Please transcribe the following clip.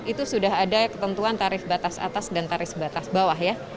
itu sudah ada ketentuan tarif batas atas dan tarif batas bawah ya